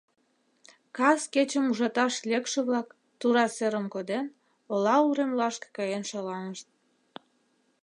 Кас кечым ужаташ лекше-влак, тура серым коден, ола уремлашке каен шаланышт.